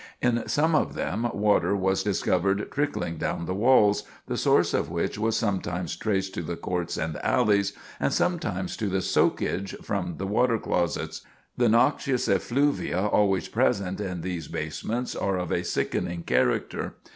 In some of them water was discovered trickling down the walls, the source of which was sometimes traced to the courts and alleys, and sometimes to the soakage from the water closets. The noxious effluvia always present in these basements are of a sickening character.